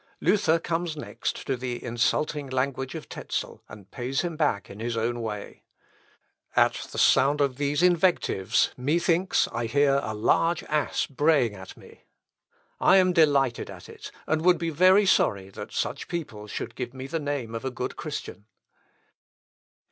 Luther comes next to the insulting language of Tezel, and pays him back in his own way. "At the sound of these invectives methinks I hear a large ass braying at me. I am delighted at it, and would be very sorry that such people should give me the name of a good Christian."